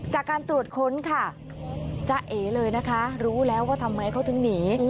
จากการตรวจค้นค่ะจ้าเอ๋เลยนะคะรู้แล้วว่าทำไมเขาถึงหนี